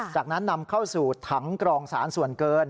จากนั้นนำเข้าสู่ถังกรองสารส่วนเกิน